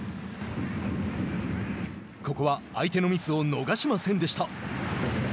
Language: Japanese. ここは相手のミスを逃しませんでした。